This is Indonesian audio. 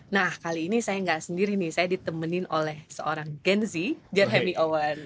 nah kali ini saya nggak sendiri nih saya ditemenin oleh seorang gen zhami owen